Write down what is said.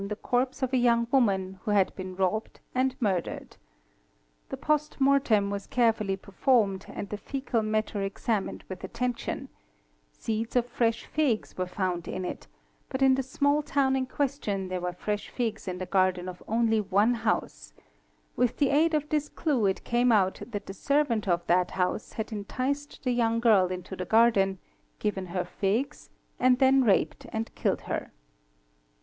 the corpse of a young woman who had been robbed and murdered. The é *nost mortem was carefully performed and the foecal matter examined with attention ; seeds of fresh figs were found in it; but in the small town in question there were fresh figs in the garden of only one house; with the aid of this clue it came out that the servant of that house had enticed the young girl into the garden, given her figs, and then raped and killed her.